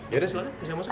ya udah silahkan bisa masuk